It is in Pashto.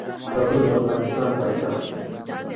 کابل د افغانستان پايتخت دی.